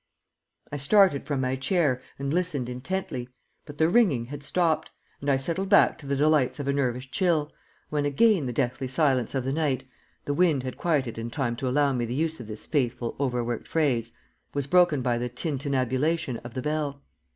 I started from my chair and listened intently, but the ringing had stopped, and I settled back to the delights of a nervous chill, when again the deathly silence of the night the wind had quieted in time to allow me the use of this faithful, overworked phrase was broken by the tintinnabulation of the bell.